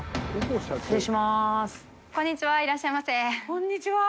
こんにちは。